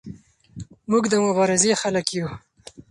موږ د مبارزې خلک یو.